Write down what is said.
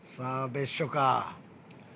別所か？